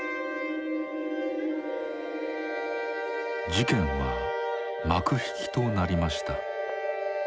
事件は幕引きとなりました。